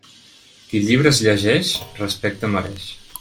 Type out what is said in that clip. Qui llibres llegeix, respecte mereix.